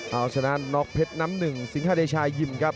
เอาชนะน็อกเพชรน้ำหนึ่งสิงหาเดชายิมครับ